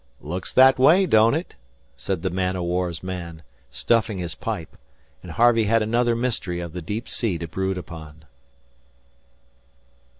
"Looks that way, don't it?" said the man o' war's man, stuffing his pipe; and Harvey had another mystery of the deep sea to brood upon.